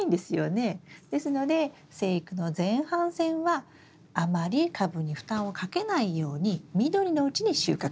ですので生育の前半戦はあまり株に負担をかけないように緑のうちに収穫する。